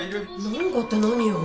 なんかって何よ